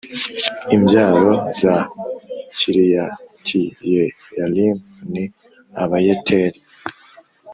Imbyaro za Kiriyatiyeyarimu ni Abayeteri